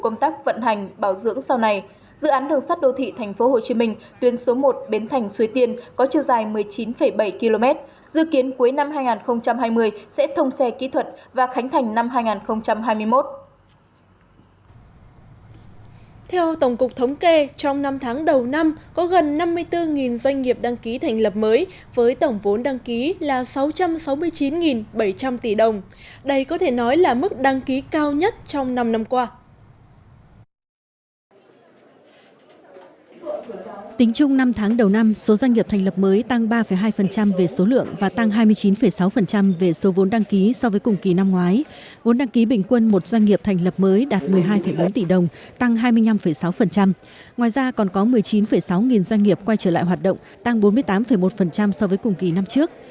ngoài ra còn có một mươi chín sáu nghìn doanh nghiệp quay trở lại hoạt động tăng bốn mươi tám một so với cùng kỳ năm trước